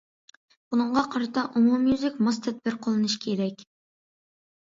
بۇنىڭغا قارىتا ئومۇميۈزلۈك ماس تەدبىر قوللىنىش كېرەك.